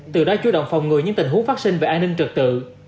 từ đó chú động phòng ngừa những tình huống phát sinh về an ninh trật tự